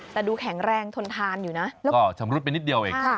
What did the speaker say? แต่ดูแข็งแรงทนทานอยู่นะแล้วก็ชำรุดไปนิดเดียวเอง